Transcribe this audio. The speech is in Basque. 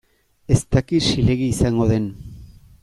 Ez dakit zilegi izango den.